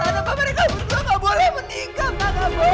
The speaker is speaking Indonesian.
masuk ke sana pak mereka berdua gak boleh menikah pak